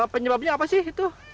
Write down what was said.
penyebabnya apa sih itu